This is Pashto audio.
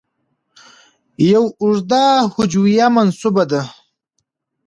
یو اوږده هجویه منسوبه ده.